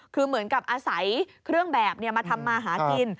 คือเหมือนกับอาศัยเครื่องแบบมาทำมาหากิน